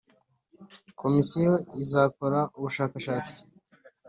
Komisiyo izakora ubushakashatsi